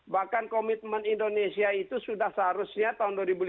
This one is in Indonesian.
bahkan komitmen indonesia itu sudah seharusnya tahun dua ribu lima belas